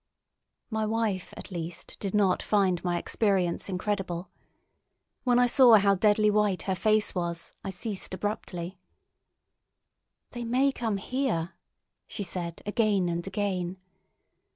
My wife at least did not find my experience incredible. When I saw how deadly white her face was, I ceased abruptly. "They may come here," she said again and again.